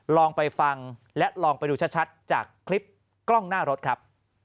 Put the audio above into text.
ลองไปฟังและลองไปดูชัดจากคลิปกล้องหน้ารถครับ